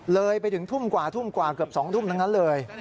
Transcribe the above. เลยไปถึงทุ่มกว่าทุ่มกว่าเกือบ๒ทุ่มทั้งนั้นเลย